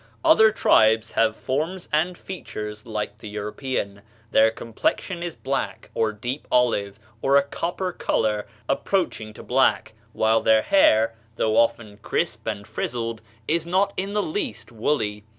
Other tribes have forms and features like the European; their complexion is black, or a deep olive, or a copper color approaching to black, while their hair, though often crisp and frizzled, is not in the least woolly.